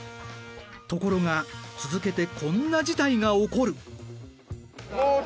ところが続けてこんな事態が起こる。